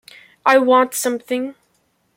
I want something.